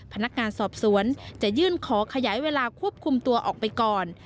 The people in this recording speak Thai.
พนักงานสอบสวนจะยื่นขอขยายเวลาควบคุมตัวออกไปก่อน